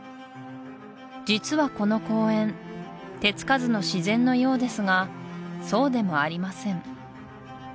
実はこの公園手つかずの自然のようですがそうでもありません